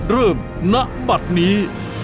เริ่มณบัดนี้